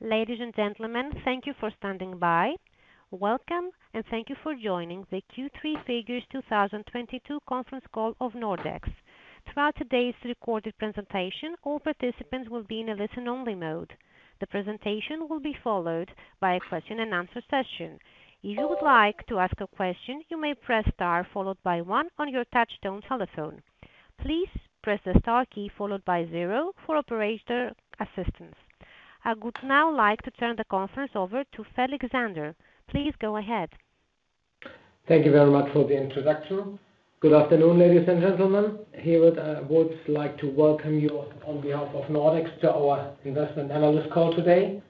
Ladies and gentlemen, thank you for standing by. Welcome and thank you for joining the Q3 Figures 2022 Conference Call of Nordex. Throughout today's recorded presentation, all participants will be in a listen-only mode. The presentation will be followed by a question-and-answer session. If you would like to ask a question, you may press star followed by one on your touchtone telephone. Please press the star key followed by zero for operator assistance. I would now like to turn the conference over to Felix Zander. Please go ahead. Thank you very much for the introduction. Good afternoon, ladies and gentlemen. Herewith, I would like to welcome you on behalf of Nordex to our investment analyst call today.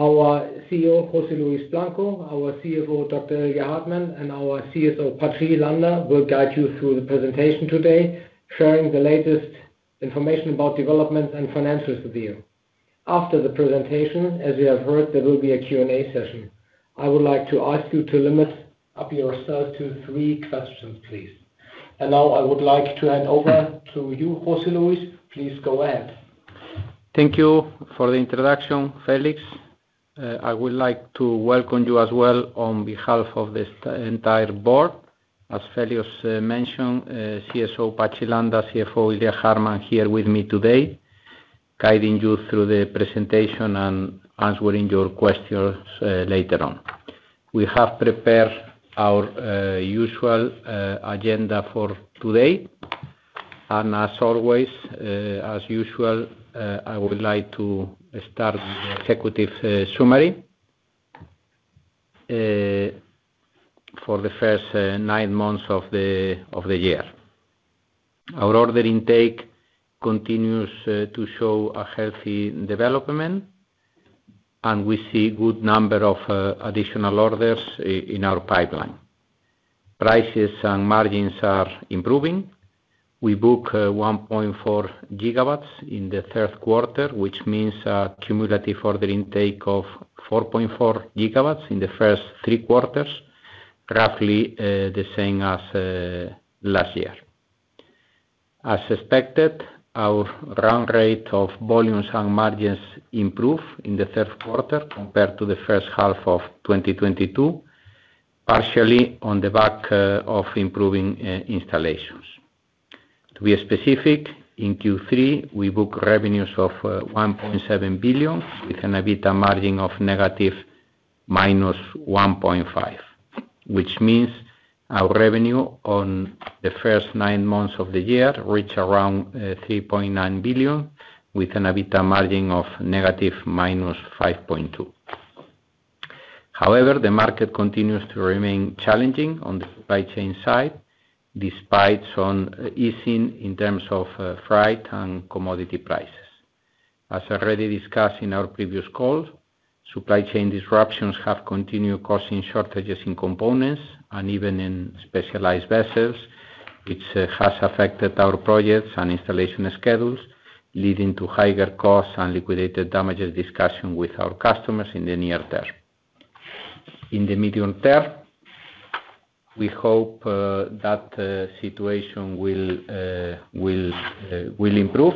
Our CEO, José Luis Blanco, our CFO, Dr. Ilya Hartmann, and our CSO, Patxi Landa, will guide you through the presentation today, sharing the latest information about developments and financials with you. After the presentation, as you have heard, there will be a Q&A session. I would like to ask you to limit yourself to three questions, please. Now I would like to hand over to you, José Luis. Please go ahead. Thank you for the introduction, Felix. I would like to welcome you as well on behalf of the entire board. As Felix mentioned, CSO Patxi Landa, CFO Ilya Hartmann here with me today, guiding you through the presentation and answering your questions later on. We have prepared our usual agenda for today. As always, as usual, I would like to start with the executive summary for the first nine months of the year. Our order intake continues to show a healthy development, and we see a good number of additional orders in our pipeline. Prices and margins are improving. We book 1.4 GW in the third quarter, which means a cumulative order intake of 4.4 GW in the first three quarters, roughly the same as last year. As expected, our run rate of volumes and margins improve in the third quarter compared to the first half of 2022, partially on the back of improving installations. To be specific, in Q3, we book revenues of 1.7 billion with an EBITDA margin of -1.5%, which means our revenue on the first nine months of the year reach around 3.9 billion with an EBITDA margin of -5.2%. However, the market continues to remain challenging on the supply chain side despite some easing in terms of freight and commodity prices. As already discussed in our previous calls, supply chain disruptions have continued causing shortages in components and even in specialized vessels, which has affected our projects and installation schedules, leading to higher costs and liquidated damages discussion with our customers in the near term. In the medium term, we hope that situation will improve,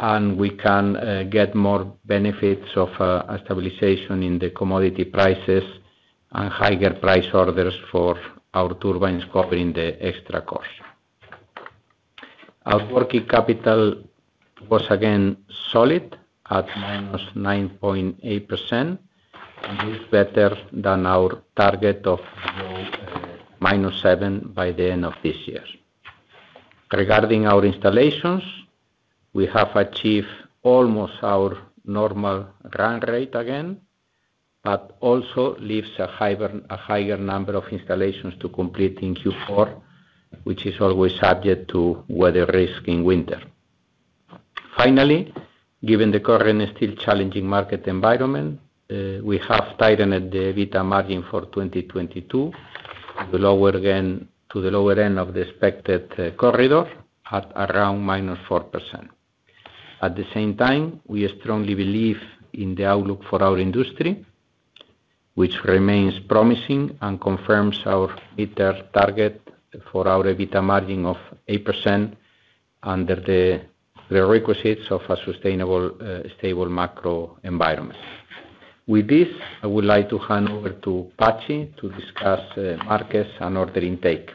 and we can get more benefits of a stabilization in the commodity prices and higher price orders for our turbines covering the extra cost. Our working capital was again solid at -9.8%, and is better than our target of -7% by the end of this year. Regarding our installations, we have achieved almost our normal run rate again, but also leaves a higher number of installations to complete in Q4, which is always subject to weather risk in winter. Finally, given the current and still challenging market environment, we have tightened the EBITDA margin for 2022 to the lower end of the expected corridor at around -4%. At the same time, we strongly believe in the outlook for our industry, which remains promising and confirms our EBITDA target for our EBITDA margin of 8% under the requisites of a sustainable stable macro environment. With this, I would like to hand over to Patxi to discuss markets and order intake.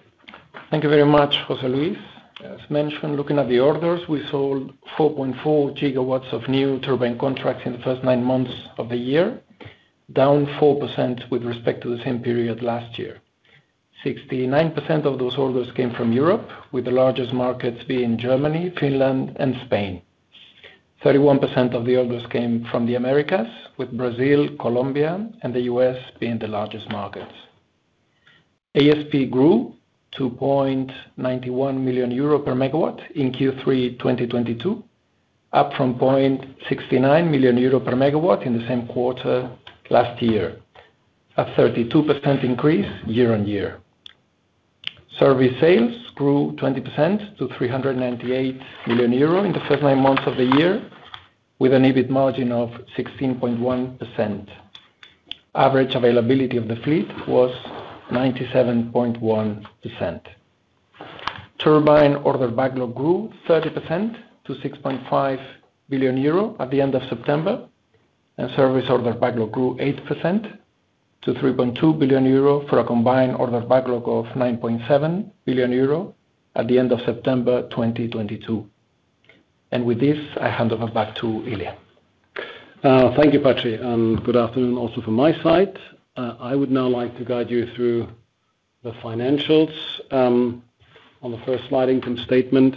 Thank you very much, José Luis. As mentioned, looking at the orders, we sold 4.4 GW of new turbine contracts in the first nine months of the year, down 4% with respect to the same period last year. 69% of those orders came from Europe, with the largest markets being Germany, Finland, and Spain. 31% of the orders came from the Americas, with Brazil, Colombia, and the US being the largest markets. ASP grew to 0.91 million euro per MW in Q3 2022, up from 0.69 million euro per MW in the same quarter last year. A 32% increase year-on-year. Service sales grew 20% to 398 million euro in the first nine months of the year, with an EBIT margin of 16.1%. Average availability of the fleet was 97.1%. Turbine order backlog grew 30% to 6.5 billion euro at the end of September, and service order backlog grew 8% to 3.2 billion euro for a combined order backlog of 9.7 billion euro at the end of September 2022. With this, I hand over back to Ilya. Thank you, Patxi, and good afternoon also from my side. I would now like to guide you through the financials. On the first slide, income statement.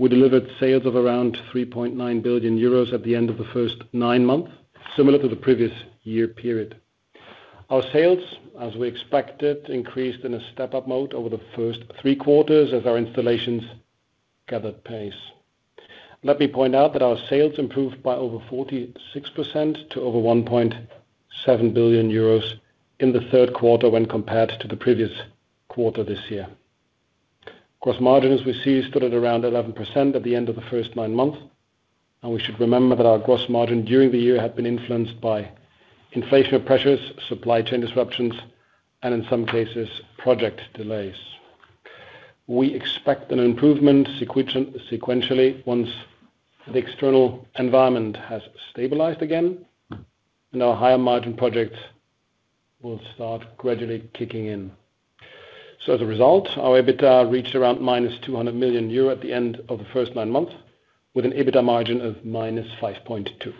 We delivered sales of around 3.9 billion euros at the end of the first nine months, similar to the previous year period. Our sales, as we expected, increased in a step-up mode over the first three quarters as our installations gathered pace. Let me point out that our sales improved by over 46% to over 1.7 billion euros in the third quarter when compared to the previous quarter this year. Gross margin, as we see, stood at around 11% at the end of the first nine months, and we should remember that our gross margin during the year had been influenced by inflation pressures, supply chain disruptions, and in some cases, project delays. We expect an improvement sequentially once the external environment has stabilized again, and our higher margin project will start gradually kicking in. As a result, our EBITDA reached around -200 million euro at the end of the first nine months, with an EBITDA margin of -5.2%.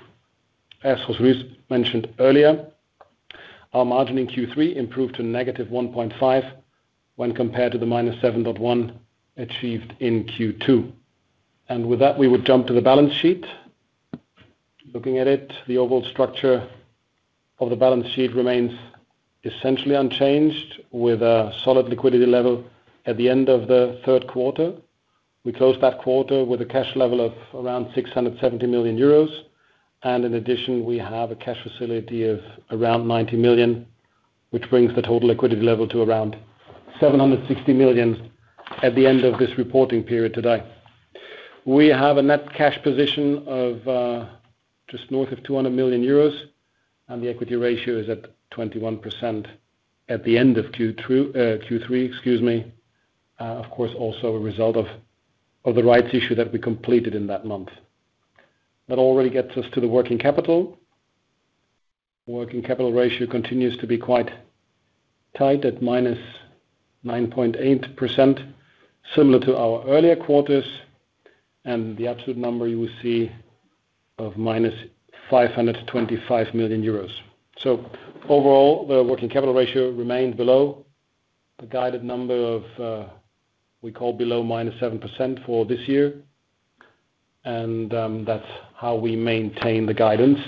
As José Luis mentioned earlier, our margin in Q3 improved to -1.5% when compared to the -7.1% achieved in Q2. With that, we would jump to the balance sheet. Looking at it, the overall structure of the balance sheet remains essentially unchanged, with a solid liquidity level at the end of the third quarter. We closed that quarter with a cash level of around 670 million euros. In addition, we have a cash facility of around 90 million, which brings the total liquidity level to around 760 million at the end of this reporting period today. We have a net cash position of just north of 200 million euros, and the equity ratio is at 21% at the end of Q2, Q3, excuse me. Of course, also a result of the rights issue that we completed in that month. That already gets us to the working capital. Working capital ratio continues to be quite tight at -9.8%, similar to our earlier quarters, and the absolute number you will see of -525 million euros. Overall, the working capital ratio remains below the guided number of, we call below -7% for this year, and that's how we maintain the guidance.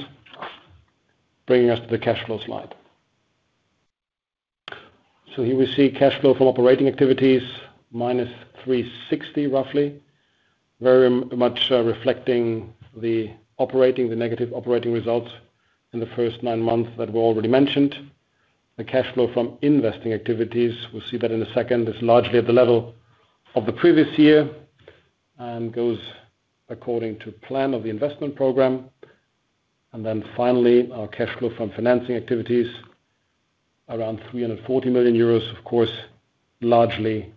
Bringing us to the cash flow slide. Here we see cash flow from operating activities, -360 million, roughly. Very much reflecting the negative operating results in the first nine months that were already mentioned. The cash flow from investing activities, we'll see that in a second, is largely at the level of the previous year and goes according to plan of the investment program. Then finally, our cash flow from financing activities, around 340 million euros, of course, largely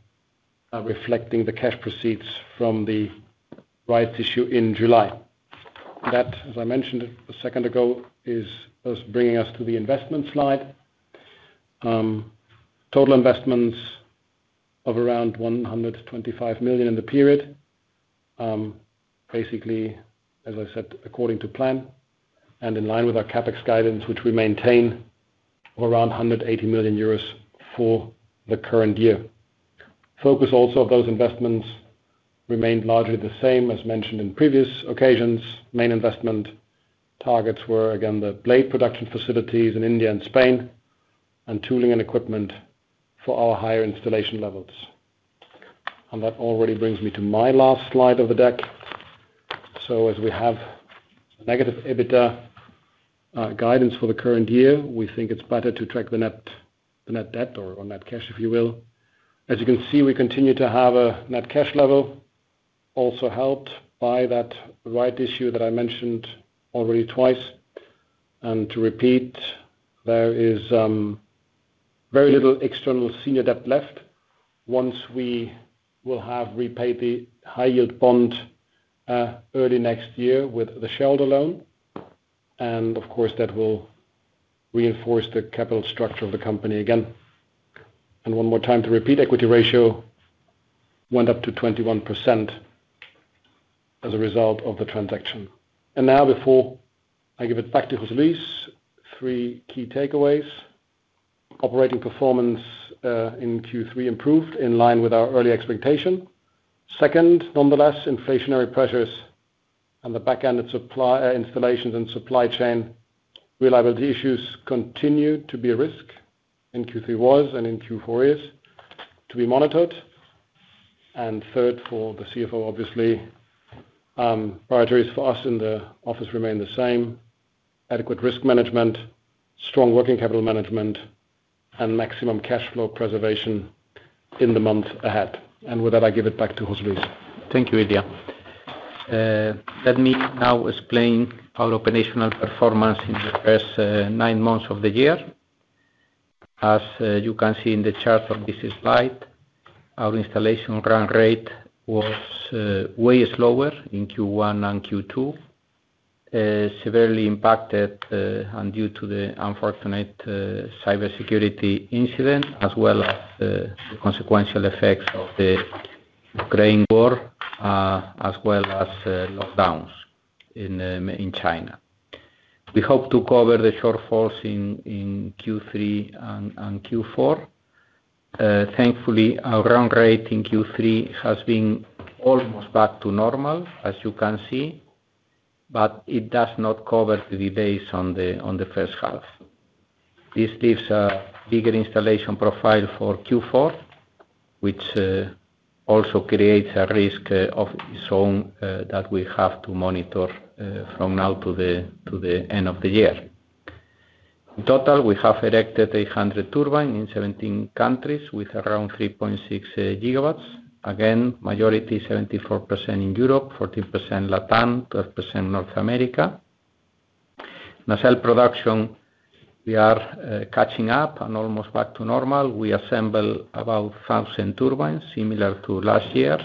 reflecting the cash proceeds from the rights issue in July. That, as I mentioned a second ago, is bringing us to the investment slide. Total investments of around 125 million in the period. Basically, as I said, according to plan and in line with our CapEx guidance, which we maintain of around 180 million euros for the current year. Focus also of those investments remained largely the same as mentioned in previous occasions. Main investment targets were, again, the blade production facilities in India and Spain and tooling and equipment for our higher installation levels. That already brings me to my last slide of the deck. As we have negative EBITDA guidance for the current year, we think it's better to track the net debt or net cash, if you will. As you can see, we continue to have a net cash level also helped by that rights issue that I mentioned already twice. To repeat, there is very little external senior debt left once we will have repaid the high yield bond early next year with the shareholder loan. Of course, that will reinforce the capital structure of the company again. One more time to repeat, equity ratio went up to 21% as a result of the transaction. Now, before I give it back to José Luis, three key takeaways. Operating performance in Q3 improved in line with our early expectation. Second, nonetheless, inflationary pressures on the back end of supply, installations and supply chain reliability issues continued to be a risk in Q3 was and in Q4 is to be monitored. Third, for the CFO, obviously, priorities for us in the office remain the same. Adequate risk management, strong working capital management, and maximum cash flow preservation in the month ahead. With that, I give it back to José Luis. Thank you, Ilya. Let me now explain our operational performance in the first nine months of the year. As you can see in the chart on this slide, our installation run rate was way slower in Q1 and Q2. Severely impacted and due to the unfortunate cybersecurity incident, as well as the consequential effects of the Ukraine war, as well as lockdowns in China. We hope to cover the shortfalls in Q3 and Q4. Thankfully, our run rate in Q3 has been almost back to normal, as you can see, but it does not cover the delays on the first half. This leaves a bigger installation profile for Q4, which also creates a risk of its own that we have to monitor from now to the end of the year. In total, we have erected 800 turbines in 17 countries with around 3.6 GW. Again, majority 74% in Europe, 14% Latin, 12% North America. Nacelle production, we are catching up and almost back to normal. We assemble about 1,000 turbines, similar to last year.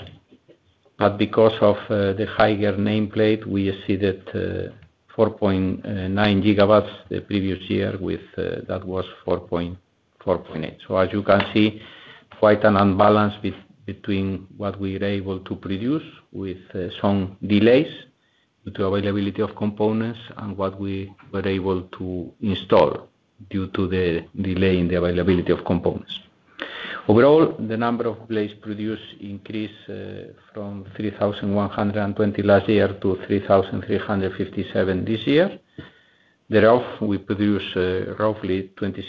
Because of the higher nameplate, we exceeded 4.9 GW the previous year, that was 4.8. As you can see, quite an imbalance between what we are able to produce with some delays due to availability of components and what we were able to install due to the delay in the availability of components. Overall, the number of blades produced increased from 3,120 last year to 3,357 this year. Thereof, we produce roughly 26%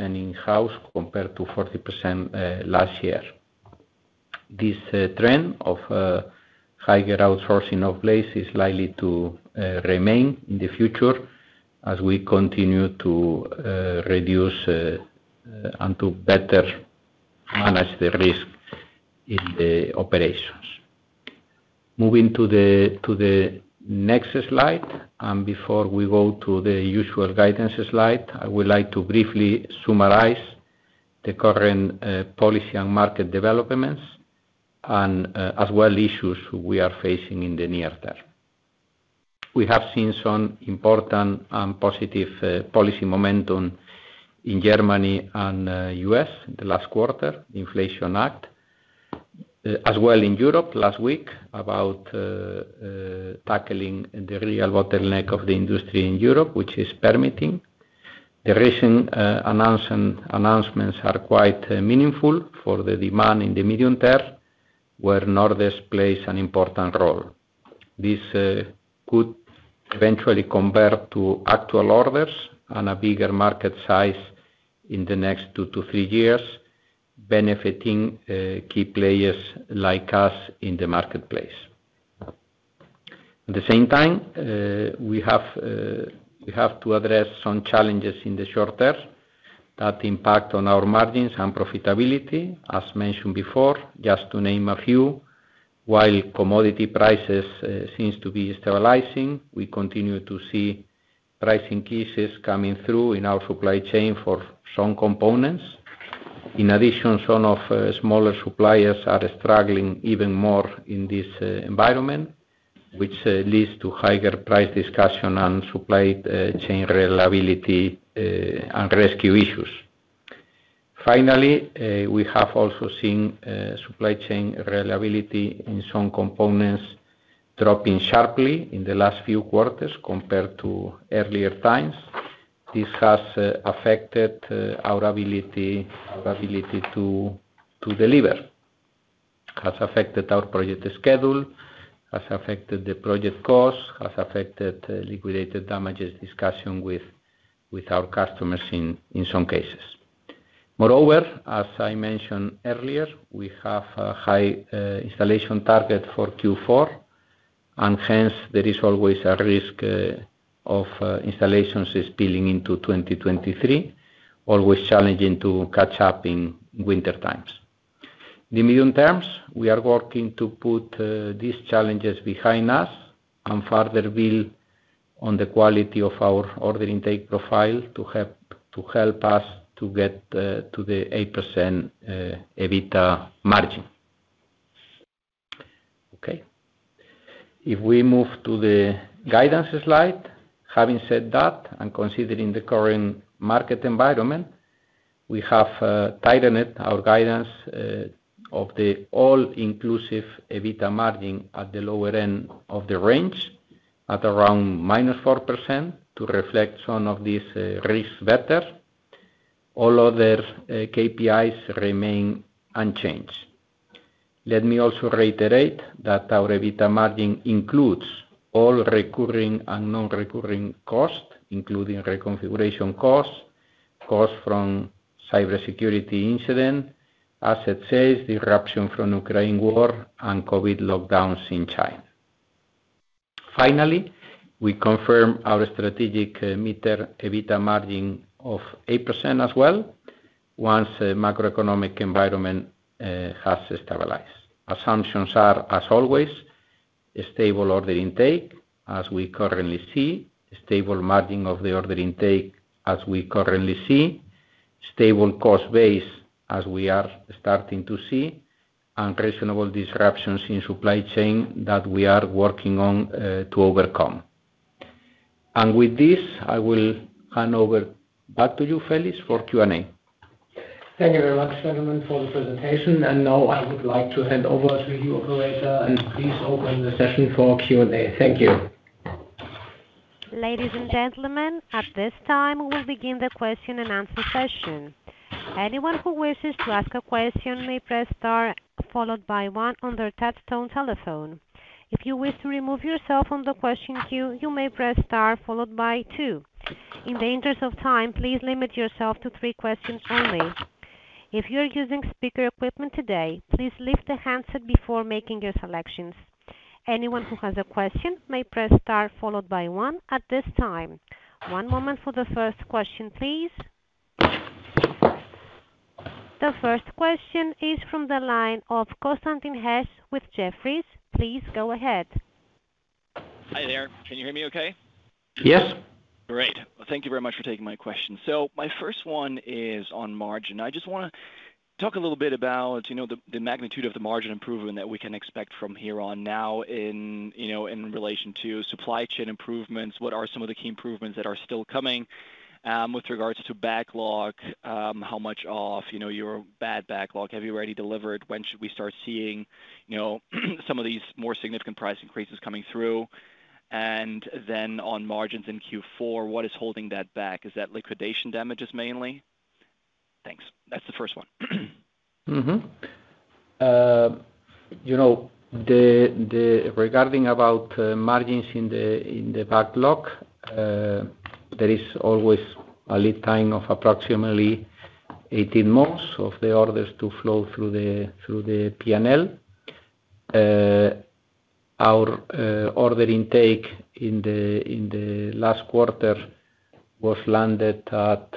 in-house compared to 40% last year. This trend of higher outsourcing of blades is likely to remain in the future as we continue to reduce and to better manage the risk in the operations. Moving to the next slide, before we go to the usual guidance slide, I would like to briefly summarize the current policy and market developments and as well issues we are facing in the near term. We have seen some important and positive policy momentum in Germany and U.S. in the last quarter, Inflation Reduction Act. As well in Europe last week about tackling the real bottleneck of the industry in Europe, which is permitting. The recent announcements are quite meaningful for the demand in the medium term, where Nordex plays an important role. This could eventually compare to actual orders and a bigger market size in the next 2-3 years, benefiting key players like us in the marketplace. At the same time, we have to address some challenges in the short term that impact on our margins and profitability, as mentioned before, just to name a few. While commodity prices seems to be stabilizing, we continue to see price increases coming through in our supply chain for some components. In addition, some of smaller suppliers are struggling even more in this environment, which leads to higher price discussion and supply chain reliability and risk issues. Finally, we have also seen supply chain reliability in some components dropping sharply in the last few quarters compared to earlier times. This has affected our ability to deliver. Has affected our project schedule, has affected the project cost, has affected liquidated damages discussion with our customers in some cases. Moreover, as I mentioned earlier, we have a high installation target for Q4, and hence there is always a risk of installations spilling into 2023, always challenging to catch up in winter times. In the medium term, we are working to put these challenges behind us and further build on the quality of our order intake profile to help us to get to the 8% EBITDA margin. Okay. If we move to the guidance slide, having said that and considering the current market environment, we have tightened our guidance of the all-inclusive EBITDA margin at the lower end of the range at around minus 4% to reflect some of these risks better. All other KPIs remain unchanged. Let me also reiterate that our EBITDA margin includes all recurring and non-recurring costs, including reconfiguration costs from cybersecurity incident, asset sales, the disruption from Ukraine war, and COVID lockdowns in China. Finally, we confirm our strategic mid-term EBITDA margin of 8% as well once the macroeconomic environment has stabilized. Assumptions are as always. A stable order intake as we currently see. Stable margin of the order intake as we currently see. Stable cost base as we are starting to see. Reasonable disruptions in supply chain that we are working on to overcome. With this, I will hand over back to you, Felix, for Q&A. Thank you very much, gentlemen, for the presentation. Now I would like to hand over to you, operator, and please open the session for Q&A. Thank you. Ladies and gentlemen, at this time, we'll begin the question and answer session. Anyone who wishes to ask a question may press star followed by one on their touch-tone telephone. If you wish to remove yourself from the question queue, you may press star followed by two. In the interest of time, please limit yourself to three questions only. If you're using speaker equipment today, please lift the handset before making your selections. Anyone who has a question may press star followed by one at this time. One moment for the first question, please. The first question is from the line of Constantin Hesse with Jefferies. Please go ahead. Hi there. Can you hear me okay? Yes. Great. Thank you very much for taking my question. My first one is on margin. I just wanna talk a little bit about, you know, the magnitude of the margin improvement that we can expect from here on now in, you know, in relation to supply chain improvements. What are some of the key improvements that are still coming with regards to backlog? How much of, you know, your bad backlog have you already delivered? When should we start seeing, you know, some of these more significant price increases coming through? And then on margins in Q4, what is holding that back? Is that liquidated damages mainly? Thanks. That's the first one. You know, regarding margins in the backlog, there is always a lead time of approximately 18 months of the orders to flow through the P&L. Our order intake in the last quarter was landed at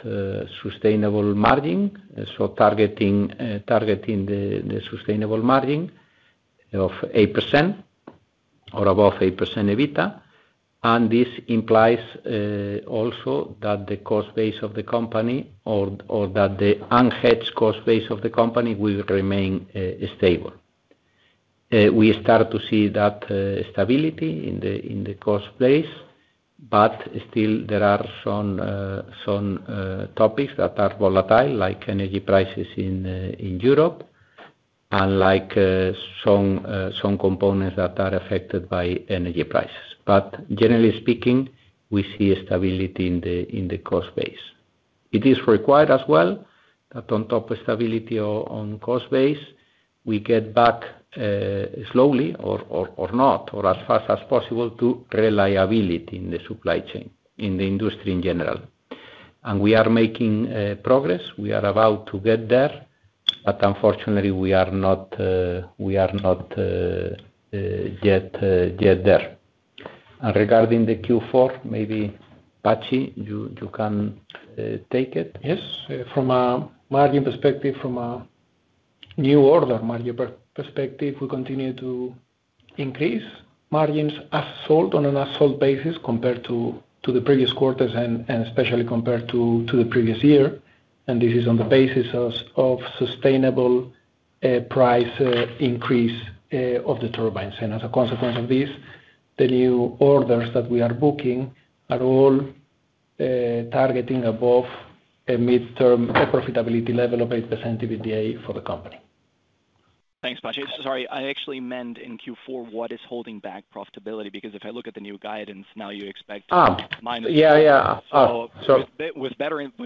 sustainable margin. Targeting the sustainable margin of 8% or above 8% EBITDA. This implies also that the cost base of the company or the unhedged cost base of the company will remain stable. We start to see that stability in the cost base, but still there are some topics that are volatile, like energy prices in Europe, and like some components that are affected by energy prices. Generally speaking, we see stability in the cost base. It is required as well that on top of stability on cost base, we get back slowly or not, or as fast as possible to reliability in the supply chain, in the industry in general. We are making progress. We are about to get there, but unfortunately we are not yet there. Regarding the Q4, maybe, Patxi, you can take it. Yes. From a margin perspective, from a new order margin perspective, we continue to increase margins as sold on an as sold basis compared to the previous quarters and especially compared to the previous year. This is on the basis of sustainable price increase of the turbines. As a consequence of this, the new orders that we are booking are all targeting above a midterm profitability level of 8% EBITDA for the company. Thanks, Patxi. Sorry, I actually meant in Q4, what is holding back profitability? Because if I look at the new guidance, now you expect. Ah. Minus. Yeah, yeah. With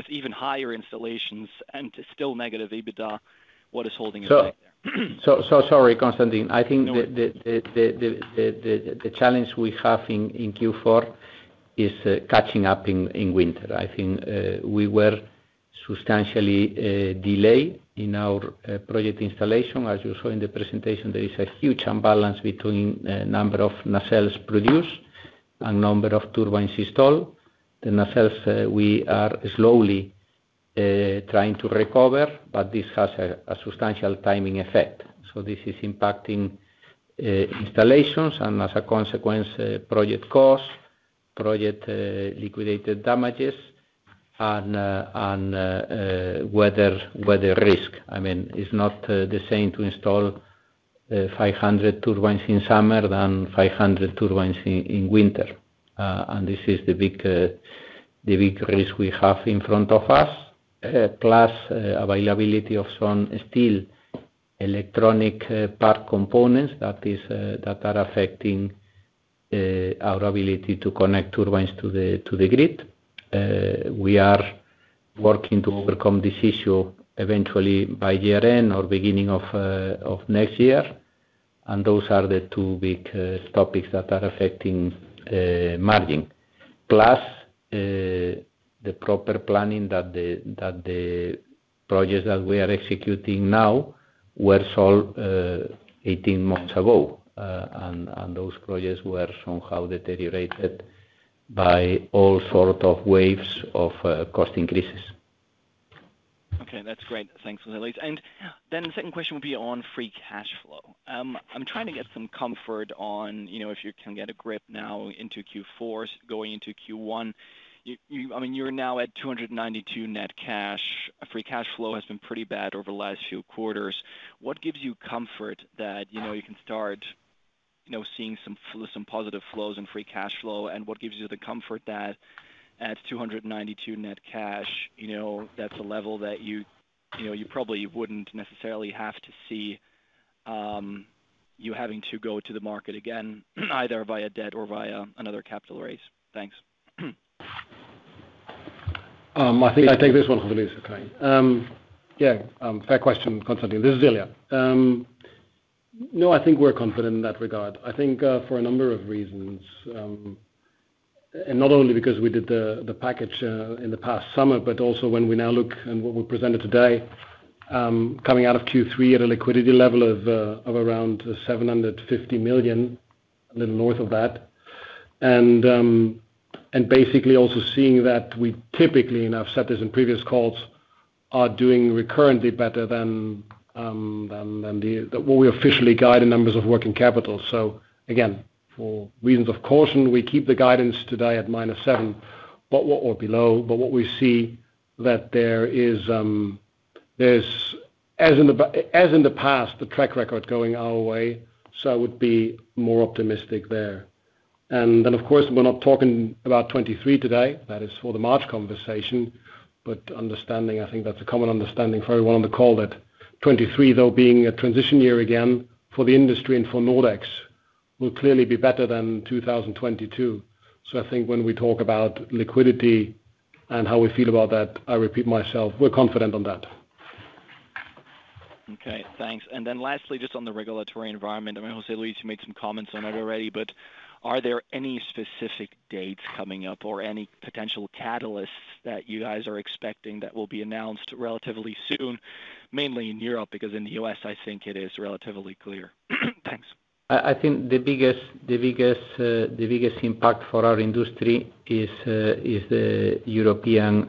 even higher installations and still negative EBITDA, what is holding it back there? Sorry, Constantin. I think the challenge we have in Q4 is catching up in winter. I think we were substantially delayed in our project installation. As you saw in the presentation, there is a huge imbalance between number of nacelles produced and number of turbines installed. The nacelles we are slowly trying to recover, but this has a substantial timing effect. This is impacting installations and as a consequence, project costs, liquidated damages and weather risk. I mean, it's not the same to install 500 turbines in summer than 500 turbines in winter. This is the big risk we have in front of us. Plus, availability of some steel and electronic part components that are affecting our ability to connect turbines to the grid. We are working to overcome this issue eventually by year-end or beginning of next year. Those are the two big topics that are affecting margin. Plus, the proper planning that the projects that we are executing now were sold 18 months ago. Those projects were somehow deteriorated by all sorts of waves of cost increases. Okay, that's great. Thanks, José Luis. The second question would be on free cash flow. I'm trying to get some comfort on, you know, if you can get a grip now into Q4 going into Q1. I mean, you're now at 292 net cash. Free cash flow has been pretty bad over the last few quarters. What gives you comfort that, you know, you can start, you know, seeing some positive flows in free cash flow? What gives you the comfort that at 292 net cash, you know, that's a level that you know, you probably wouldn't necessarily have to see you having to go to the market again either via debt or via another capital raise? Thanks. I think I take this one, José Luis, okay. Yeah, fair question, Constantin. This is Ilya. No, I think we're confident in that regard. I think, for a number of reasons, and not only because we did the package in the past summer, but also when we now look and what we presented today, coming out of Q3 at a liquidity level of around 750 million, a little north of that. And basically also seeing that we typically, and I've said this in previous calls, are doing recurrently better than the what we officially guide in numbers of working capital. So again, for reasons of caution, we keep the guidance today at minus 7 or below. But what we see that there is, there's. As in the past, the track record going our way, so I would be more optimistic there. Then, of course, we're not talking about 2023 today. That is for the March conversation. Understanding, I think that's a common understanding for everyone on the call that 2023, though, being a transition year again for the industry and for Nordex, will clearly be better than 2022. I think when we talk about liquidity and how we feel about that, I repeat myself, we're confident on that. Okay, thanks. Lastly, just on the regulatory environment. I know, José Luis, you made some comments on it already, but are there any specific dates coming up or any potential catalysts that you guys are expecting that will be announced relatively soon, mainly in Europe? Because in the U.S., I think it is relatively clear. Thanks. I think the biggest impact for our industry is the European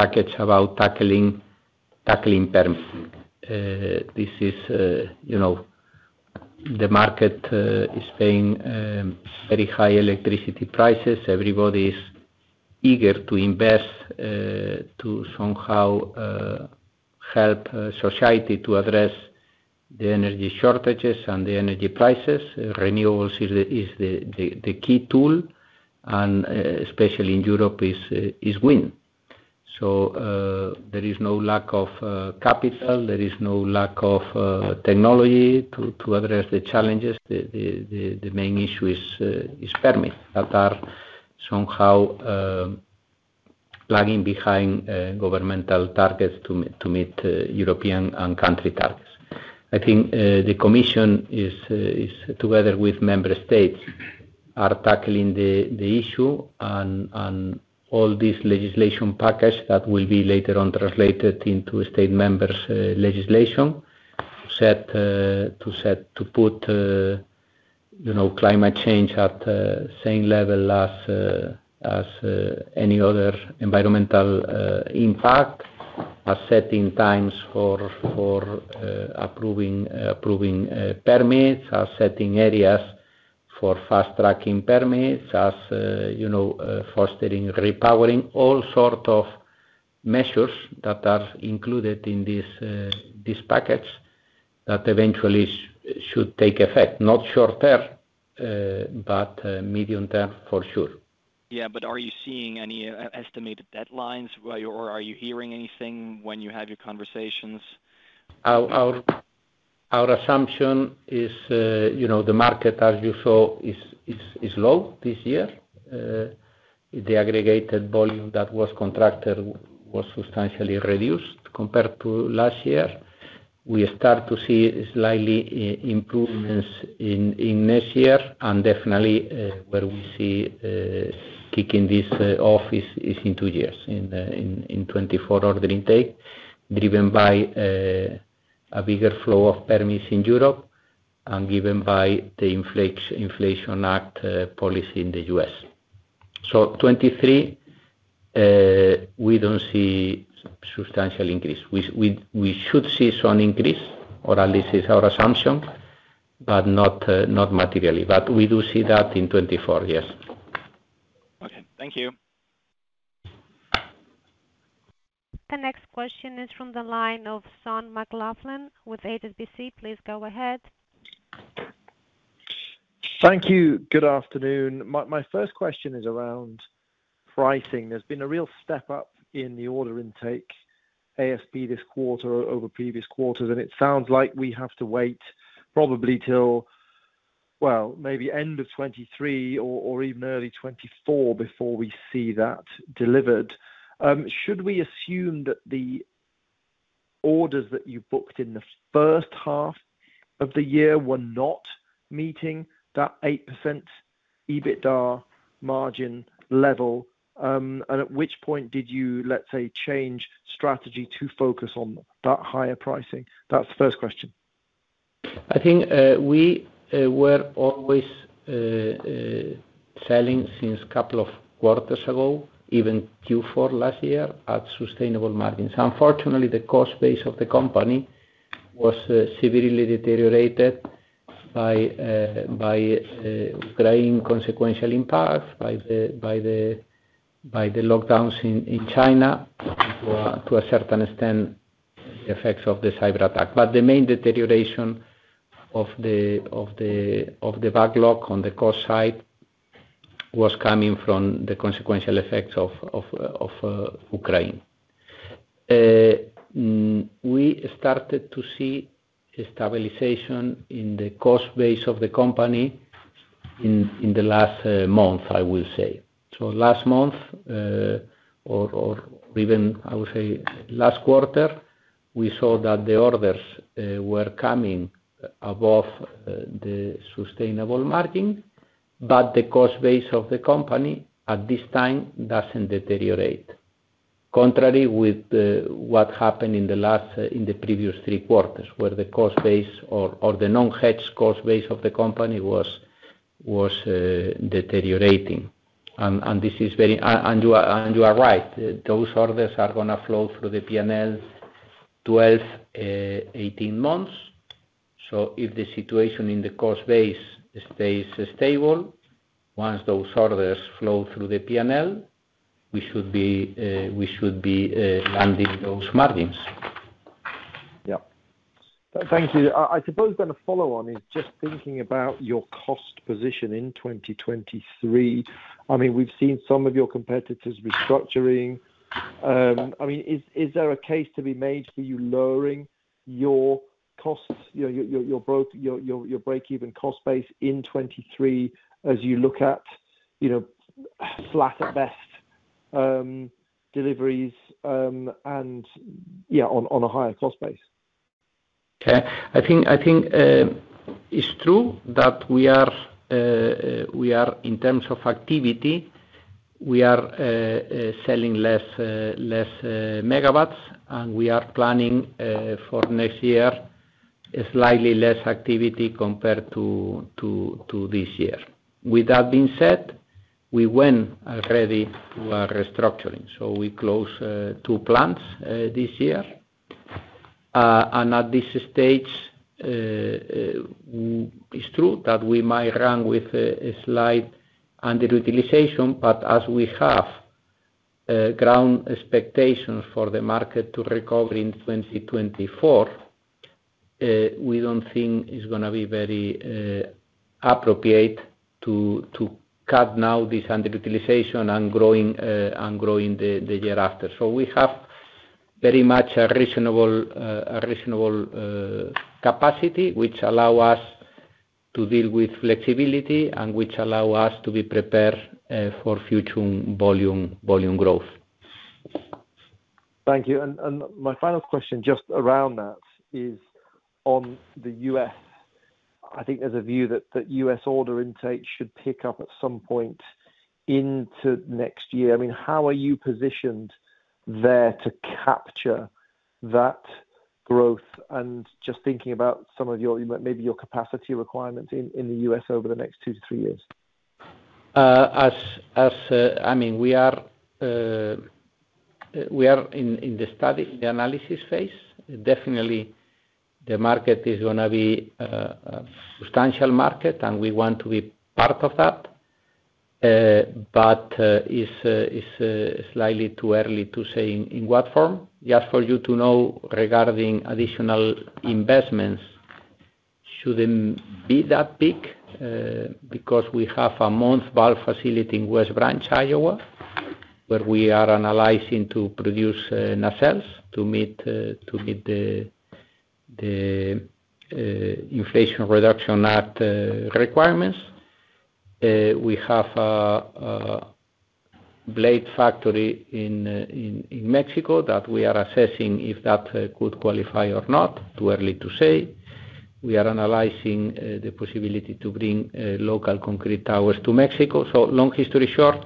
package about tackling permits. You know, the market is paying very high electricity prices. Everybody is eager to invest to somehow help society to address the energy shortages and the energy prices. Renewables is the key tool, and especially in Europe is wind. There is no lack of capital, there is no lack of technology to address the challenges. The main issue is permits that are somehow lagging behind governmental targets to meet European and country targets. I think the commission is together with member states are tackling the issue on all this legislation package that will be later on translated into state members' legislation. To put, you know, climate change at same level as any other environmental impact. Are setting times for approving permits. Are setting areas for fast-tracking permits. As you know fostering repowering. All sort of measures that are included in this this package that eventually should take effect. Not short-term but medium-term for sure. Are you hearing anything when you have your conversations? Our assumption is, you know, the market as you saw is low this year. The aggregated volume that was contracted was substantially reduced compared to last year. We start to see slight improvements in next year and definitely where we see kicking this off is in two years, in 2024 order intake. Driven by a bigger flow of permits in Europe and driven by the Inflation Reduction Act policy in the US. 2023 we don't see substantial increase. We should see some increase, or at least it's our assumption, but not materially. We do see that in 2024, yes. Okay. Thank you. The next question is from the line of Sean McLoughlin with HSBC. Please go ahead. Thank you. Good afternoon. My first question is around pricing. There's been a real step up in the order intake ASP this quarter over previous quarters, and it sounds like we have to wait probably till maybe end of 2023 or even early 2024 before we see that delivered. Should we assume that the orders that you booked in the first half of the year were not meeting that 8% EBITDA margin level? At which point did you, let's say, change strategy to focus on that higher pricing? That's the first question. I think we were always selling since couple of quarters ago, even Q4 last year, at sustainable margins. Unfortunately, the cost base of the company was severely deteriorated by Ukraine consequential impact, by the lockdowns in China, and to a certain extent, the effects of the cyberattack. The main deterioration of the backlog on the cost side was coming from the consequential effects of Ukraine. We started to see stabilization in the cost base of the company in the last month, I will say. Last month, or even I would say last quarter, we saw that the orders were coming above the sustainable margin, but the cost base of the company at this time doesn't deteriorate. Contrary to what happened in the previous three quarters, where the cost base or the non-hedged cost base of the company was deteriorating. You are right. Those orders are gonna flow through the PNL 12-18 months. If the situation in the cost base stays stable, once those orders flow through the PNL, we should be landing those margins. Yeah. Thank you. I suppose then a follow on is just thinking about your cost position in 2023. I mean, we've seen some of your competitors restructuring. I mean, is there a case to be made for you lowering your costs, your break-even cost base in 2023 as you look at, you know, flat at best, deliveries, and yeah, on a higher cost base? Okay. I think it's true that we are in terms of activity selling less MWs, and we are planning for next year, slightly less activity compared to this year. With that being said, we went already through our restructuring. We closed two plants this year. At this stage, it's true that we might run with a slight underutilization, but as we have grounded expectations for the market to recover in 2024, we don't think it's gonna be very appropriate to cut now this underutilization and growing the year after. We have very much a reasonable capacity, which allow us to deal with flexibility and which allow us to be prepared for future volume growth. Thank you. My final question just around that is on the US. I think there's a view that US order intake should pick up at some point into next year. I mean, how are you positioned there to capture that growth? Just thinking about some of your, maybe your capacity requirements in the US over the next two to three years. I mean, we are in the study, the analysis phase. Definitely the market is gonna be a substantial market, and we want to be part of that. It's slightly too early to say in what form. Just for you to know regarding additional investments, shouldn't be that big, because we have a nacelle manufacturing facility in West Branch, Iowa, where we are analyzing to produce nacelles to meet the Inflation Reduction Act requirements. We have a blade factory in Mexico that we are assessing if that could qualify or not. Too early to say. We are analyzing the possibility to bring local concrete towers to Mexico. Long story short,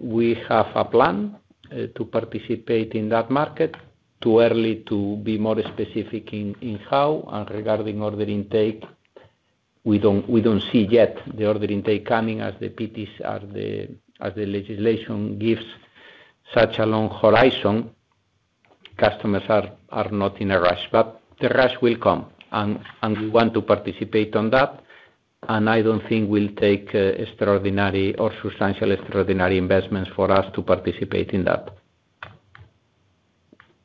we have a plan to participate in that market. Too early to be more specific in how. Regarding order intake, we don't see yet the order intake coming as the PTCs or the legislation gives such a long horizon. Customers are not in a rush. The rush will come and we want to participate in that. I don't think we'll take extraordinary or substantial extraordinary investments for us to participate in that.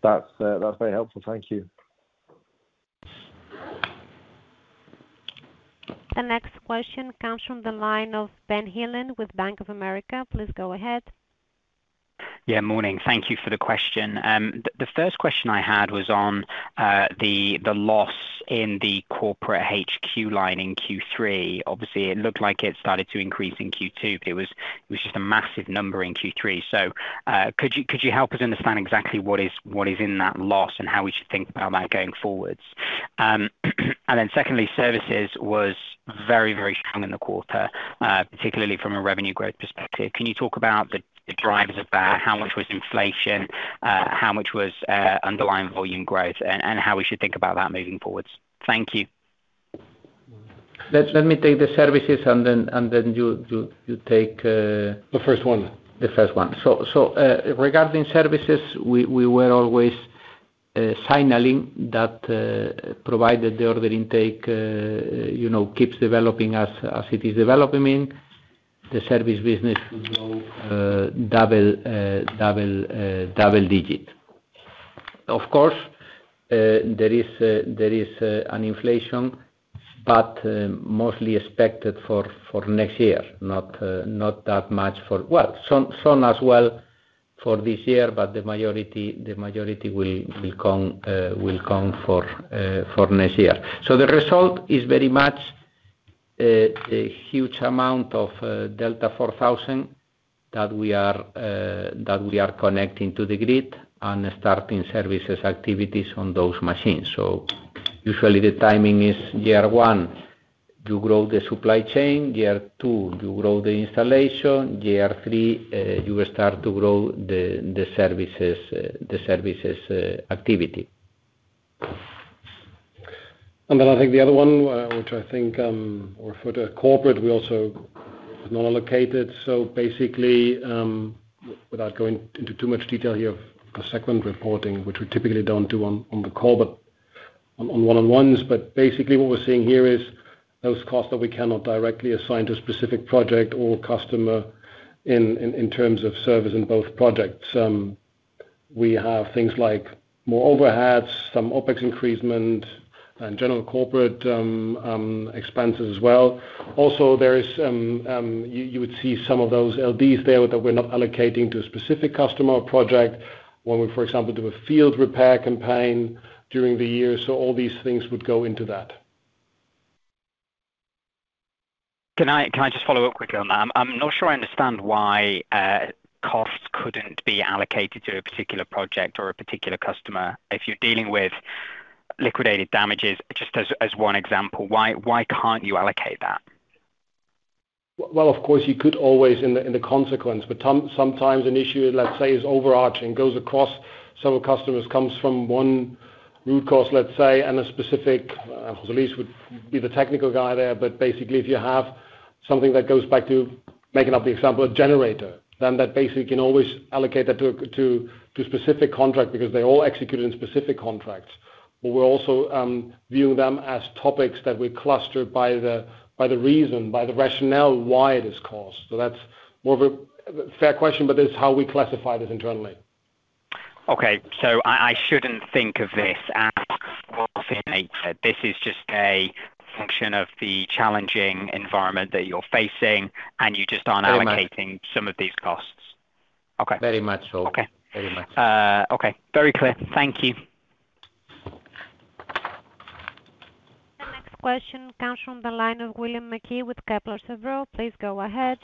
That's very helpful. Thank you. The next question comes from the line of Ben Sheridan with Bank of America. Please go ahead. Yeah, morning. Thank you for the question. The first question I had was on the loss in the corporate HQ line in Q3. Obviously it looked like it started to increase in Q2, but it was just a massive number in Q3. Could you help us understand exactly what is in that loss and how we should think about that going forwards? Secondly, services was very strong in the quarter, particularly from a revenue growth perspective. Can you talk about the drivers of that? How much was inflation, how much was underlying volume growth? And how we should think about that moving forwards. Thank you. Let me take the services and then you take. The first one. The first one. Regarding services, we were always signaling that provided the order intake you know keeps developing as it is developing. The service business would go double digit. Of course there is an inflation, but mostly expected for next year, not that much for this year. Well, some as well for this year, but the majority will come for next year. The result is very much a huge amount of Delta 4000 that we are connecting to the grid and starting services activities on those machines. Usually the timing is year one, you grow the supply chain. Year two, you grow the installation. Year three, you start to grow the services activity. I think the other one, which I think, or for the corporate, we also not allocated. Basically, without going into too much detail here of the segment reporting, which we typically don't do on the call, but on one-on-ones. Basically, what we're seeing here is those costs that we cannot directly assign to a specific project or customer in terms of service in both projects. We have things like more overheads, some OpEx increase and general corporate expenses as well. Also, you would see some of those LDs there that we're not allocating to a specific customer or project when we, for example, do a field repair campaign during the year. All these things would go into that. Can I just follow up quickly on that? I'm not sure I understand why costs couldn't be allocated to a particular project or a particular customer. If you're dealing with liquidated damages, just as one example, why can't you allocate that? Well, of course, you could always in the consequence, but sometimes an issue, let's say, is overarching, goes across several customers, comes from one root cause, let's say, and a specific José Luis would be the technical guy there. Basically, if you have something that goes back to, making up the example, a generator, then that basically can always allocate that to a specific contract because they all execute in specific contracts. We're also viewing them as topics that we cluster by the reason, by the rationale why it is caused. That's more of a fair question, but this is how we classify this internally. Okay. I shouldn't think of this as This is just a function of the challenging environment you are facing and you're just allocating some of these costs. Okay. Very much so. Okay. Very much. Okay. Very clear. Thank you. The next question comes from the line of William Mackie with Kepler Cheuvreux. Please go ahead.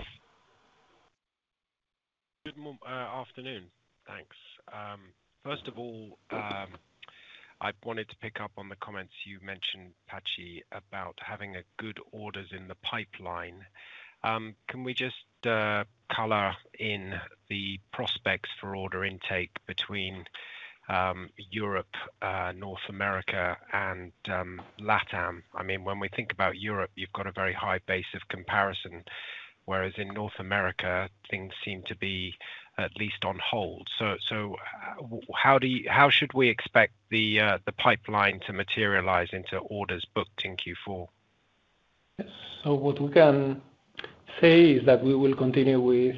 Good afternoon. Thanks. First of all, I wanted to pick up on the comments you mentioned, Patxi, about having good orders in the pipeline. Can we just color in the prospects for order intake between Europe, North America and LATAM? I mean, when we think about Europe, you've got a very high base of comparison, whereas in North America, things seem to be at least on hold. How should we expect the pipeline to materialize into orders booked in Q4? Yes. What we can say is that we will continue with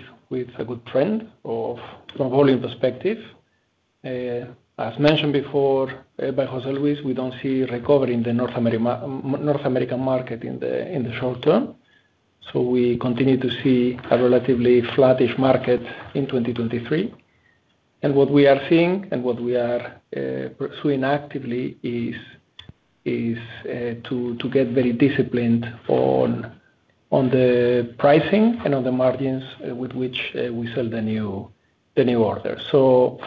a good trend from volume perspective. As mentioned before by José Luis, we don't see recovery in the North American market in the short term. We continue to see a relatively flattish market in 2023. What we are seeing and what we are pursuing actively is to get very disciplined on the pricing and on the margins with which we sell the new order.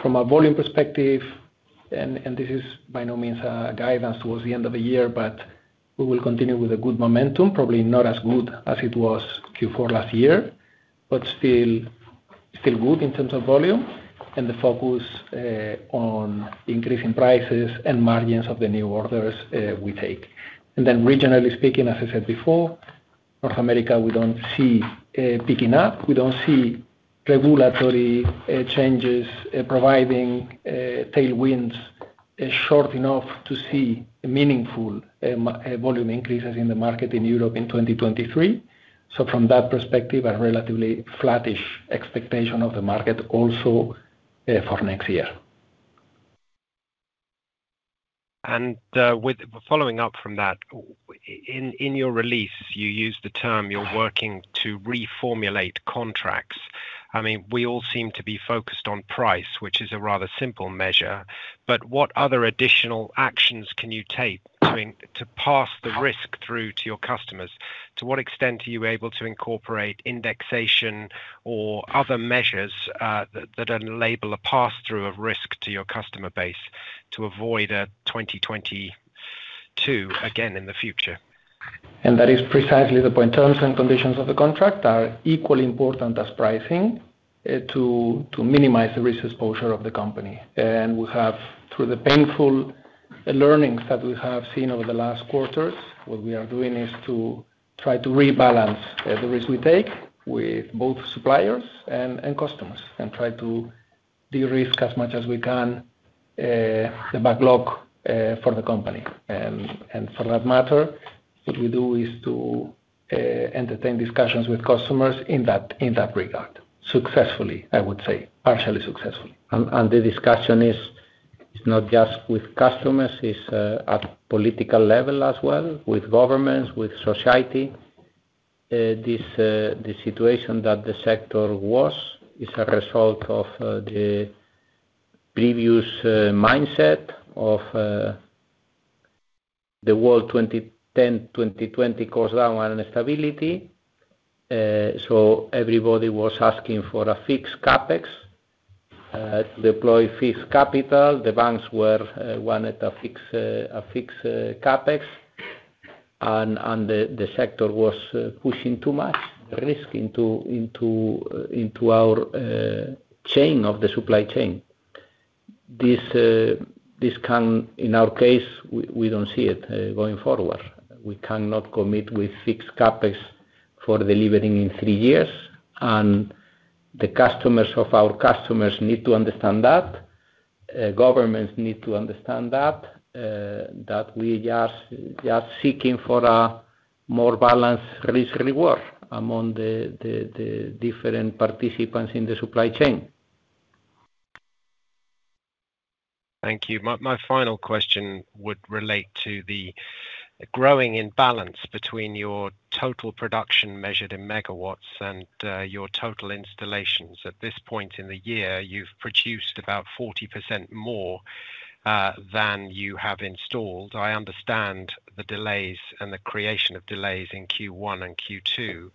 From a volume perspective, and this is by no means a guidance towards the end of the year, but we will continue with a good momentum, probably not as good as it was Q4 last year, but still good in terms of volume and the focus on increasing prices and margins of the new orders we take. Then regionally speaking, as I said before, North America we don't see picking up. We don't see regulatory changes providing tailwinds short enough to see meaningful volume increases in the market in Europe in 2023. From that perspective, a relatively flattish expectation of the market also for next year. Following up from that, in your release, you use the term you're working to reformulate contracts. I mean, we all seem to be focused on price, which is a rather simple measure, but what other additional actions can you take, I mean, to pass the risk through to your customers? To what extent are you able to incorporate indexation or other measures, that then enable a pass-through of risk to your customer base to avoid a 2022 again in the future? That is precisely the point. Terms and conditions of the contract are equally important as pricing to minimize the risk exposure of the company. We have, through the painful learnings that we have seen over the last quarters, what we are doing is to try to rebalance the risk we take with both suppliers and customers and try to de-risk as much as we can the backlog for the company. For that matter, what we do is to entertain discussions with customers in that regard. Successfully, I would say, partially successful. The discussion is not just with customers, it's at political level as well, with governments, with society. The situation that the sector was is a result of the previous mindset of the world 2010, 2020 caused a lot of instability. Everybody was asking for a fixed CapEx to deploy fixed capital. The banks wanted a fixed CapEx and the sector was pushing too much risk into our chain of the supply chain. In our case, we don't see it going forward. We cannot commit with fixed CapEx for delivering in three years, and the customers of our customers need to understand that. Governments need to understand that we just seeking for a more balanced risk reward among the different participants in the supply chain. Thank you. My final question would relate to the growing imbalance between your total production measured in MWs and your total installations. At this point in the year, you've produced about 40% more than you have installed. I understand the delays and the creation of delays in Q1 and Q2,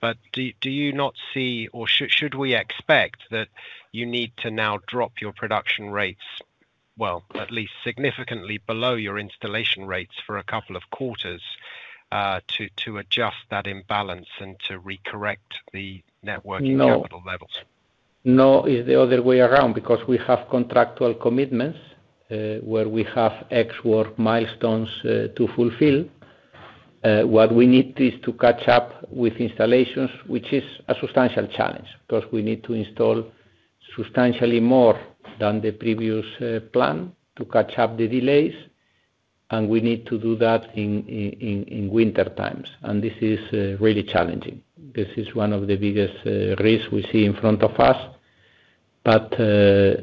but do you not see or should we expect that you need to now drop your production rates, well, at least significantly below your installation rates for a couple of quarters, to adjust that imbalance and to correct the working capital levels? No. It's the other way around, because we have contractual commitments, where we have Ex Works milestones to fulfill. What we need is to catch up with installations, which is a substantial challenge, 'cause we need to install substantially more than the previous plan to catch up the delays, and we need to do that in winter times. This is really challenging. This is one of the biggest risks we see in front of us, but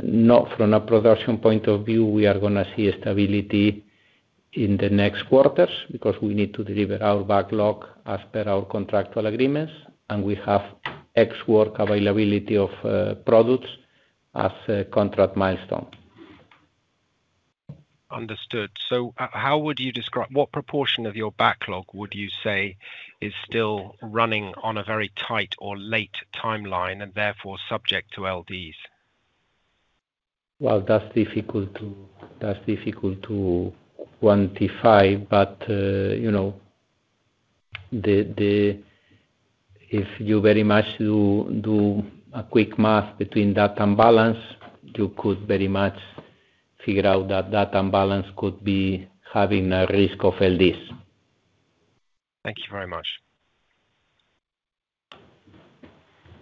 not from a production point of view, we are gonna see stability in the next quarters because we need to deliver our backlog as per our contractual agreements, and we have Ex Works availability of products as a contract milestone. Understood. What proportion of your backlog would you say is still running on a very tight or late timeline and therefore subject to LDs? Well, that's difficult to quantify, but you know, if you very much do a quick math between that imbalance, you could very much figure out that imbalance could be having a risk of LDs. Thank you very much.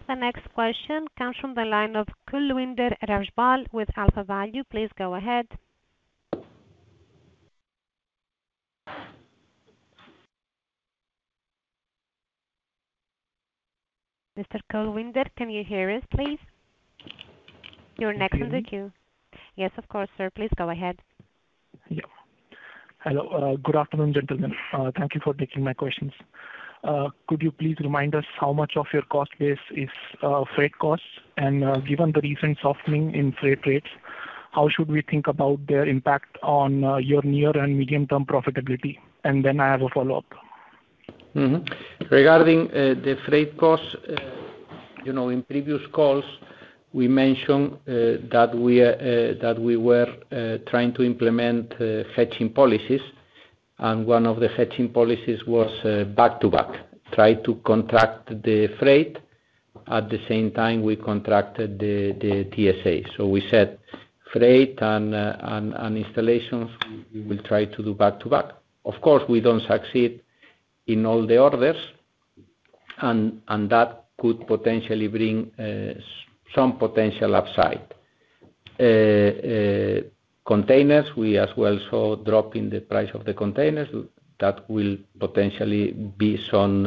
The next question comes from the line of Kulwinder Rajpal with AlphaValue. Please go ahead. Mr. Kulwinder, can you hear us, please? You're next in the queue. Can you? Yes, of course, sir. Please go ahead. Yeah. Hello. Good afternoon, gentlemen. Thank you for taking my questions. Could you please remind us how much of your cost base is freight costs? Given the recent softening in freight rates, how should we think about their impact on your near and medium-term profitability? I have a follow-up. Regarding the freight costs, you know, in previous calls, we mentioned that we were trying to implement hedging policies, and one of the hedging policies was back-to-back. Try to contract the freight at the same time we contracted the TSA. We said freight and installations, we will try to do back-to-back. Of course, we don't succeed in all the orders and that could potentially bring some potential upside. Containers, we as well saw drop in the price of the containers. That will potentially be some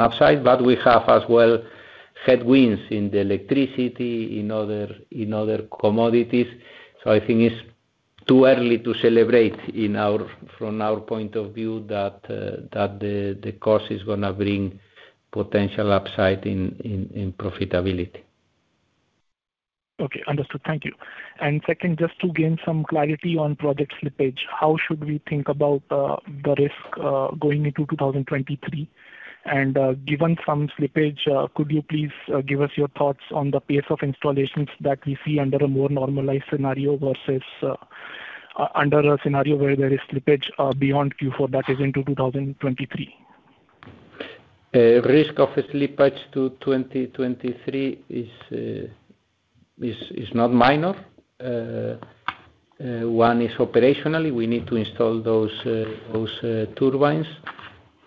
upside. But we have as well headwinds in the electricity, in other commodities. I think it's too early to celebrate from our point of view that the cost is gonna bring potential upside in profitability. Okay. Understood. Thank you. Second, just to gain some clarity on project slippage, how should we think about the risk going into 2023? Given some slippage, could you please give us your thoughts on the pace of installations that we see under a more normalized scenario versus under a scenario where there is slippage beyond Q4, that is into 2023? Risk of a slippage to 2023 is not minor. One is operationally, we need to install those turbines,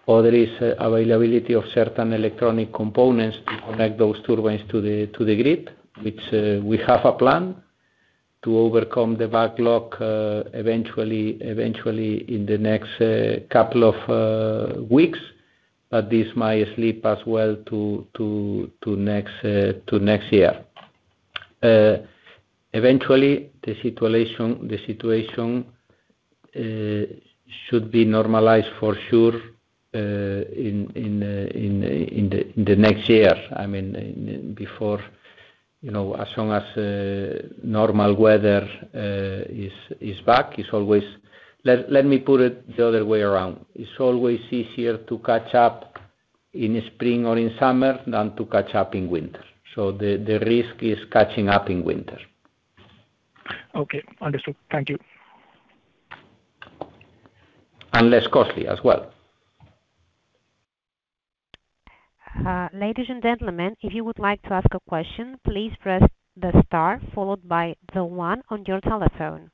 or there is availability of certain electronic components to connect those turbines to the grid, which we have a plan to overcome the backlog eventually in the next couple of weeks. This might slip as well to next year. Eventually, the situation should be normalized for sure in the next year, I mean, before, you know, as soon as normal weather is back. Let me put it the other way around. It's always easier to catch up in spring or in summer than to catch up in winter. The risk is catching up in winter. Okay. Understood. Thank you. Less costly as well. Ladies and gentlemen, if you would like to ask a question, please press the star followed by the one on your telephone.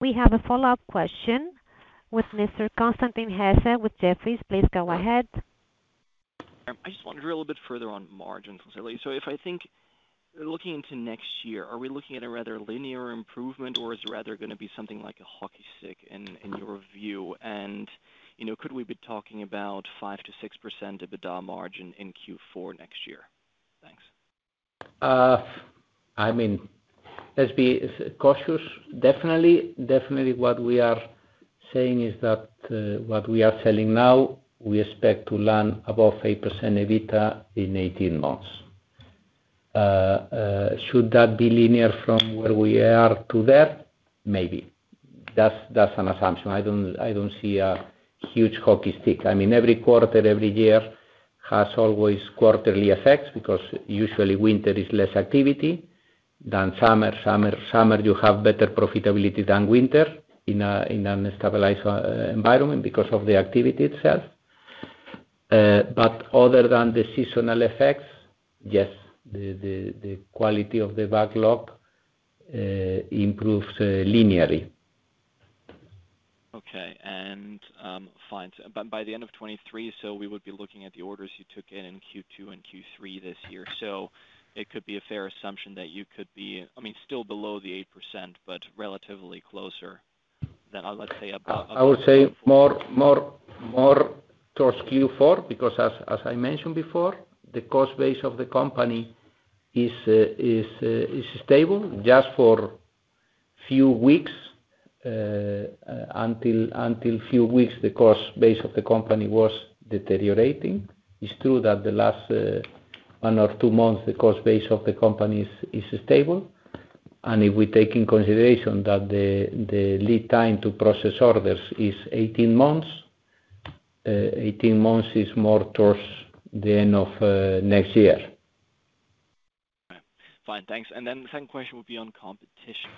We have a follow-up question with Mr. Constantin Hesse with Jefferies. Please go ahead. I just want to drill a little bit further on margins. If I think looking into next year, are we looking at a rather linear improvement or is it rather gonna be something like a hockey stick in your view? You know, could we be talking about 5%-6% EBITDA margin in Q4 next year? Thanks. I mean, let's be cautious. Definitely what we are saying is that, what we are selling now, we expect to land above 8% EBITDA in 18 months. Should that be linear from where we are to there? Maybe. That's an assumption. I don't see a huge hockey stick. I mean, every quarter, every year has always quarterly effects because usually winter is less activity than summer. Summer you have better profitability than winter in a stabilized environment because of the activity itself. But other than the seasonal effects, yes, the quality of the backlog improves linearly. Okay. Fine. By the end of 2023, we would be looking at the orders you took in Q2 and Q3 this year. It could be a fair assumption that you could be, I mean, still below the 8%, but relatively closer than, let's say above- I would say more towards Q4, because as I mentioned before, the cost base of the company is stable. Just for few weeks, until few weeks, the cost base of the company was deteriorating. It's true that the last one or two months, the cost base of the company is stable, and if we take in consideration that the lead time to process orders is 18 months, 18 months is more towards the end of next year. Fine. Thanks. Then the second question would be on competition.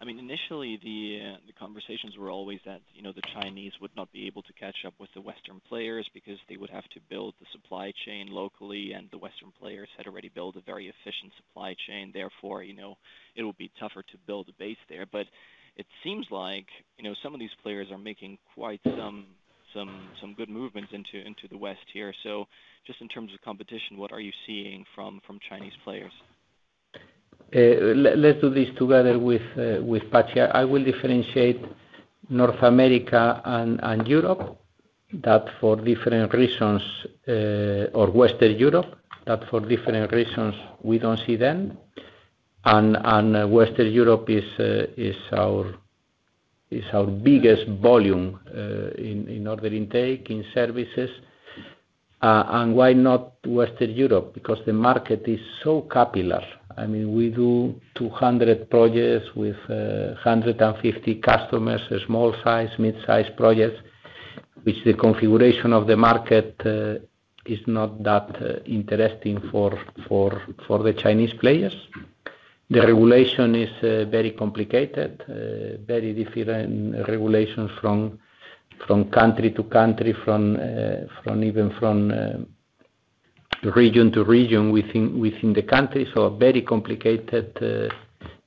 I mean, initially the conversations were always that, you know, the Chinese would not be able to catch up with the Western players because they would have to build the supply chain locally and the Western players had already built a very efficient supply chain, therefore, you know, it'll be tougher to build a base there. It seems like, you know, some of these players are making quite some good movements into the West here. Just in terms of competition, what are you seeing from Chinese players? Let's do this together with Patxi. I will differentiate North America and Europe for different reasons, or Western Europe for different reasons, we don't see them. Western Europe is our biggest volume in order intake, in services. Why not Western Europe? Because the market is so capillary. I mean, we do 200 projects with 150 customers, small size, mid-size projects, which the configuration of the market is not that interesting for the Chinese players. The regulation is very complicated, very different regulations from country to country, from even from region to region within the country. Very complicated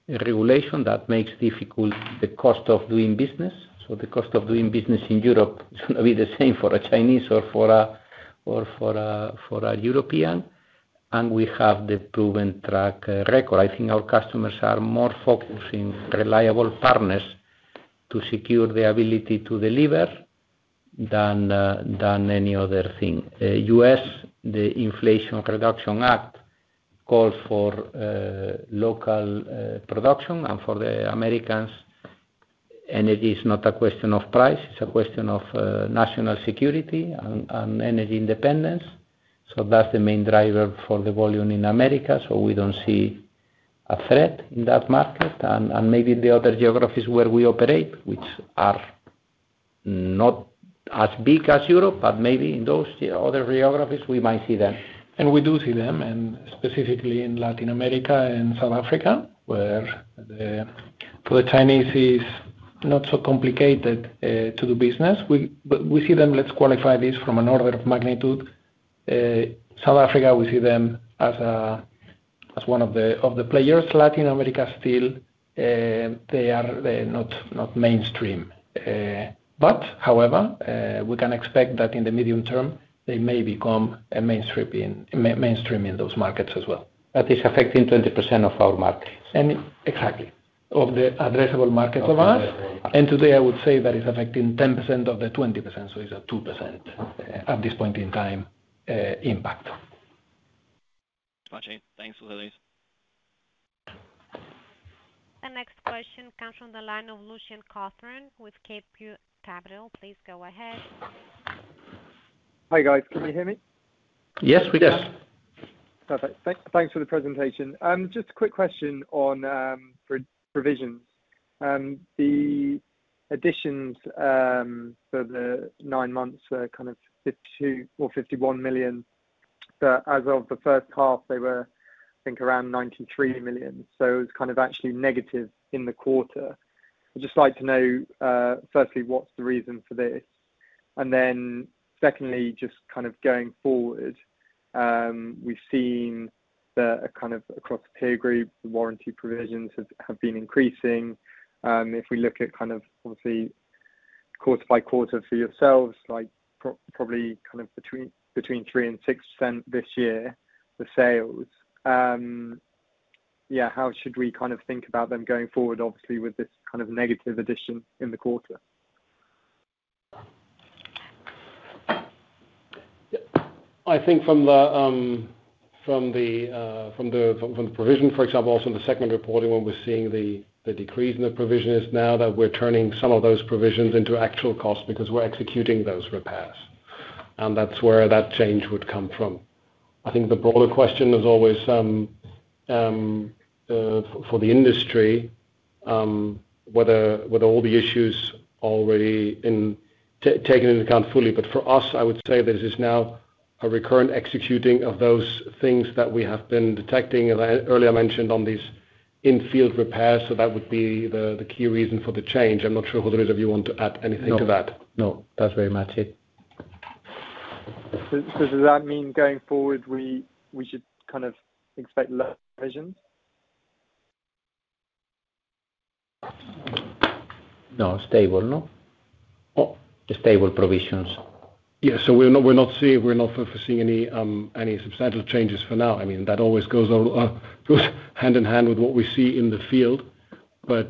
regulation that makes difficult the cost of doing business. The cost of doing business in Europe is gonna be the same for a Chinese or for a European, and we have the proven track record. I think our customers are more focused on reliable partners to secure the ability to deliver than any other thing. U.S., the Inflation Reduction Act calls for local production and for the Americans, energy is not a question of price, it's a question of national security and energy independence. That's the main driver for the volume in America, so we don't see a threat in that market. Maybe the other geographies where we operate, which are not as big as Europe, but maybe in those other geographies, we might see them. We do see them, and specifically in Latin America and South Africa, where for the Chinese is not so complicated to do business. We see them, let's qualify this from an order of magnitude. South Africa, we see them as one of the players. Latin America still, they're not mainstream. However, we can expect that in the medium term, they may become mainstream in those markets as well. That is affecting 20% of our markets. Exactly. Of the addressable markets for us. Of the addressable markets. Today, I would say that is affecting 10% of the 20%, so it's a 2% impact at this point in time. Got you. Thanks, José Luis. The next question comes from the line of Lucian Cawthron with CapeView Capital. Please go ahead. Hi, guys. Can you hear me? Yes, we can. Perfect. Thanks for the presentation. Just a quick question on provisions. The additions for the nine months were kind of 52 or 51 million. As of the first half they were, I think, around 93 million. It's kind of actually negative in the quarter. I'd just like to know, firstly, what's the reason for this? Then secondly, just kind of going forward, we've seen the kind of across the peer group, the warranty provisions have been increasing. If we look at kind of obviously quarter by quarter for yourselves, like probably kind of between 3% and 6% this year for sales. Yeah. How should we kind of think about them going forward, obviously with this kind of negative addition in the quarter? Yeah. I think from the provision, for example, so in the second reporting one, we're seeing the decrease in the provision is now that we're turning some of those provisions into actual costs because we're executing those repairs. That's where that change would come from. I think the broader question is always for the industry whether with all the issues already taken into account fully. For us, I would say this is now a recurrent executing of those things that we have been detecting, as I earlier mentioned on these in-field repairs. That would be the key reason for the change. I'm not sure, José Luis, if you want to add anything to that. No. No, that's very much it. Does that mean going forward, we should kind of expect low provisions? No, stable, no? Oh. Stable provisions. Yeah. We're not foreseeing any substantial changes for now. I mean, that always goes hand in hand with what we see in the field. We're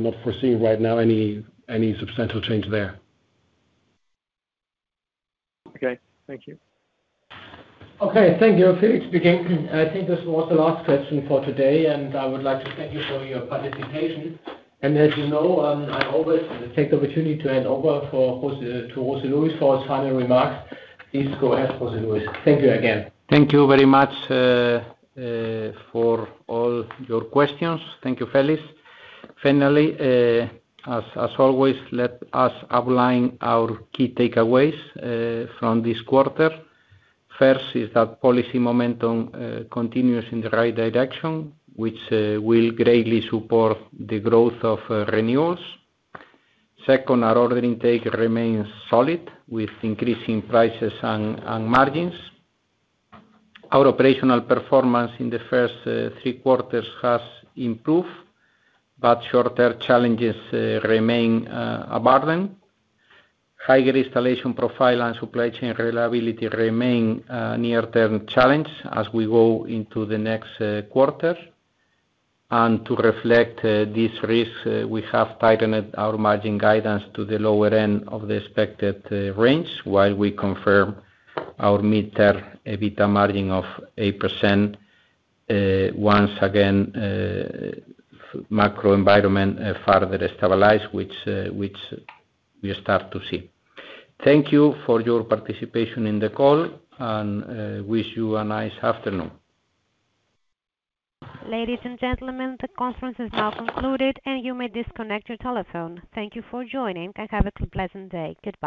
not foreseeing right now any substantial change there. Okay. Thank you. Okay. Thank you, Felix. Again, I think this was the last question for today, and I would like to thank you for your participation. As you know, I always take the opportunity to hand over for José, to José Luis for his final remarks. Please go ahead, José Luis. Thank you again. Thank you very much for all your questions. Thank you, Felix. Finally, as always, let us outline our key takeaways from this quarter. First is that policy momentum continues in the right direction, which will greatly support the growth of renewables. Second, our order intake remains solid with increasing prices and margins. Our operational performance in the first three quarters has improved, but short-term challenges remain a burden. Higher installation profile and supply chain reliability remain a near-term challenge as we go into the next quarter. To reflect this risk, we have tightened our margin guidance to the lower end of the expected range while we confirm our mid-term EBITDA margin of 8%. Once again, macro environment further stabilizes, which we start to see. Thank you for your participation in the call, and wish you a nice afternoon. Ladies and gentlemen, the conference is now concluded, and you may disconnect your telephone. Thank you for joining and have a pleasant day. Good night.